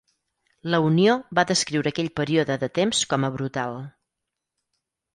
La unió va descriure aquell període de temps com a brutal.